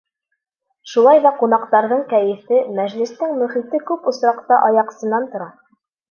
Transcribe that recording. Шулай ҙа ҡунаҡтарҙың кәйефе, мәжлестең мөхите күп осраҡта аяҡсынан тора.